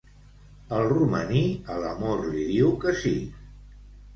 El romaní, a l'amor li diu que sí.